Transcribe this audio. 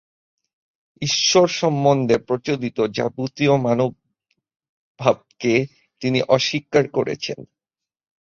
ঈশ্বর-সম্বন্ধে প্রচলিত যাবতীয় মনোভাবকে তিনি অস্বীকার করেছিলেন।